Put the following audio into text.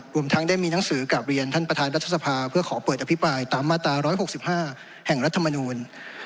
รวมทั้งได้มีหนังสือกลับเรียนท่านประธานรัฐสภาเพื่อขอเปิดอภิปรายตามมาตรา๑๖๕แห่งรัฐมนูล